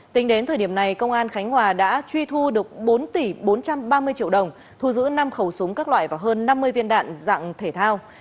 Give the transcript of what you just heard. tính đến thời điểm này công an khánh hòa đã truy thu được bốn tỷ bốn trăm ba mươi triệu đồng thu giữ năm khẩu súng các loại và hơn năm mươi viên đạn dạng thể thao